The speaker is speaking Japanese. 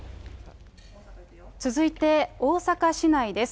続いて、大阪市内です。